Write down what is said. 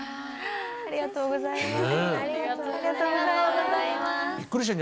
ありがとうございます。